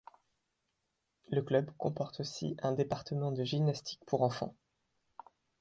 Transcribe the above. Le club comporte aussi un département de Gymnastique pour enfants.